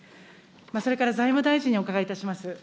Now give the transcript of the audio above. それから財務大臣にお伺いいたします。